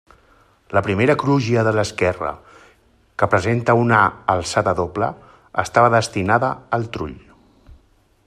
La primera crugia de l'esquerra, que presenta una alçada doble, estava destinada al trull.